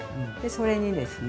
それにですね